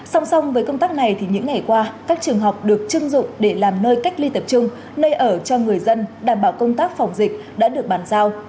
song song với công tác này thì những ngày qua các trường học được chưng dụng để làm nơi cách ly tập trung nơi ở cho người dân đảm bảo công tác phòng dịch đã được bàn giao